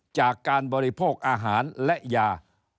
จากการบริโภคอาหารและยา